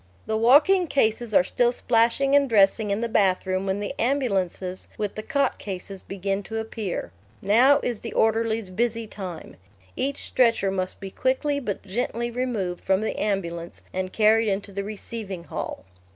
The walking cases are still splashing and dressing in the bathroom when the ambulances with the cot cases begin to appear. Now is the orderlies' busy time. Each stretcher must be quickly but gently removed from the ambulance and carried into the receiving hall.